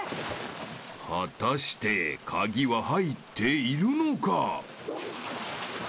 ［果たして鍵は入っているのか］